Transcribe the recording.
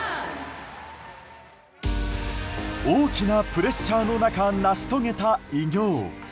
大きなプレッシャーの中成し遂げた偉業。